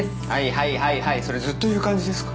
はいはいはいぞれずっと言う感じですか？